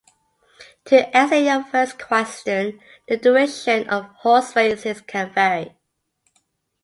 To answer your first question, the duration of horse races can vary.